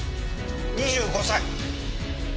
２５歳！